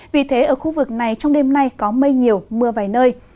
vì thế ở khu vực này trong đêm nay có mây nhiều mưa vài nơi